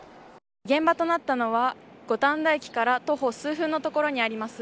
現場となったのは五反田駅から徒歩数分の所にあります